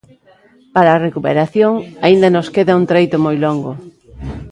¡Para a recuperación aínda nos queda un treito moi longo!